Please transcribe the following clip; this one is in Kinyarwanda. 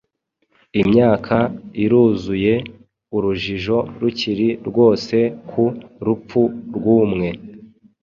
Imyaka iruzuye urujijo rukiri rwose ku rupfu rw’umwe